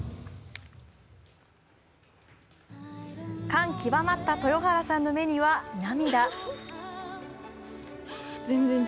感極まった豊原さんの目には涙。